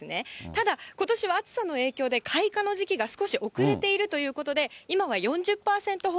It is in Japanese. ただ、ことしは暑さの影響で、開花の時期が少し遅れているということで、これからなんだ。